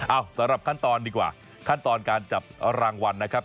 สำหรับขั้นตอนดีกว่าขั้นตอนการจับรางวัลนะครับ